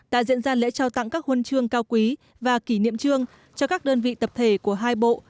đã diễn ra lễ trao tặng các huân chương cao quý và kỷ niệm trương cho các đơn vị tập thể của hai bộ